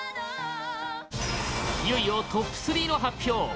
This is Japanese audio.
いよいよトップ３の発表